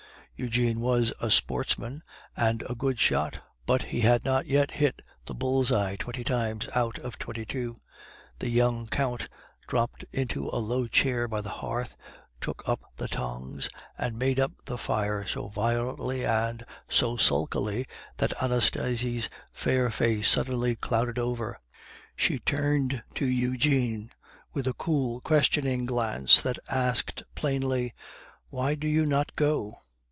Eugene was a sportsman and a good shot, but he had not yet hit the bulls's eye twenty times out of twenty two. The young Count dropped into a low chair by the hearth, took up the tongs, and made up the fire so violently and so sulkily, that Anastasie's fair face suddenly clouded over. She turned to Eugene, with a cool, questioning glance that asked plainly, "Why do you not go?"